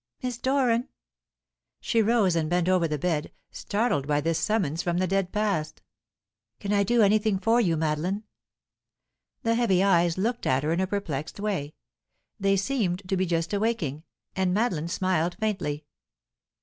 "Miss Doran!" She rose and bent over the bed, startled by this summons from the dead past. "Can I do anything for you, Madeline?" The heavy eyes looked at her in a perplexed way. They seemed to be just awaking, and Madeline smiled faintly.